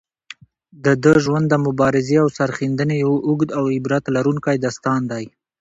د ده ژوند د مبارزې او سرښندنې یو اوږد او عبرت لرونکی داستان دی.